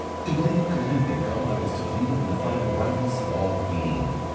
To believe completely in God is to believe in the final rightness of all being.